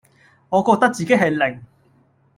我覺得自己係零